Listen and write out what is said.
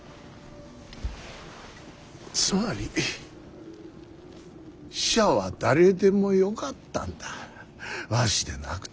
つまり使者は誰でもよかったんだわしでなくても。